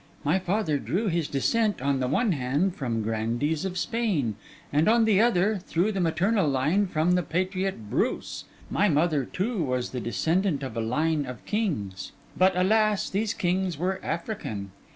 My father drew his descent, on the one hand, from grandees of Spain, and on the other, through the maternal line, from the patriot Bruce. My mother, too, was the descendant of a line of kings; but, alas! these kings were African.